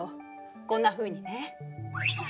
こんなふうにね。